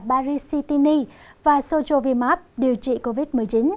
paracetini và sojovimab điều trị covid một mươi chín